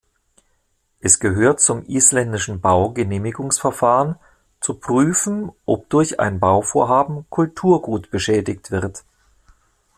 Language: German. Es gehört zum isländischen Baugenehmigungsverfahren, zu prüfen, ob durch ein Bauvorhaben Kulturgut beschädigt wird.